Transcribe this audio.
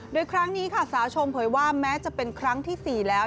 โดยครั้งนี้ค่ะสาวชมเผยว่าแม้จะเป็นครั้งที่๔แล้ว